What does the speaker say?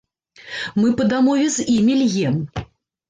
Мы па дамове з імі льем.